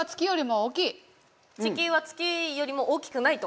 地球は月よりも大きくないと。